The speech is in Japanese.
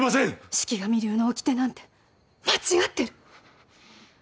四鬼神流のおきてなんて間違ってる